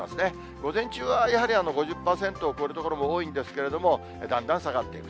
午前中はやはり５０％を超える所も多いんですけれども、だんだん下がっていく。